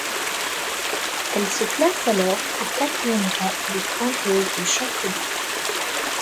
Elle se classe alors au quatrième rang des pointeuses du championnat.